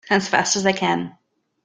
As fast as I can!